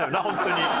本当に。